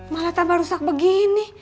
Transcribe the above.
malah tambah rusak begini